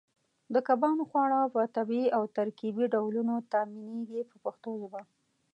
د کبانو خواړه په طبیعي او ترکیبي ډولونو تامینېږي په پښتو ژبه.